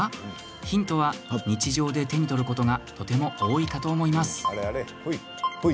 ヒントは日常で手に取ることが多いかと思います。